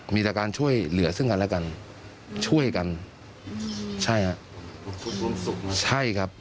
มีแต่การช่วยเหลือซึ่งกันและกันช่วยกันใช่ฮะใช่ครับ